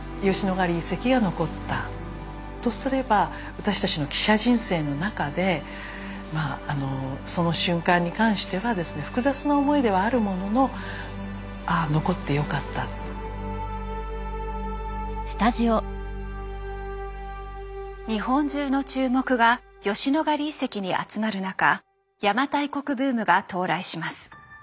私たちの記者人生の中でまあその瞬間に関してはですね日本中の注目が吉野ヶ里遺跡に集まる中邪馬台国ブームが到来します。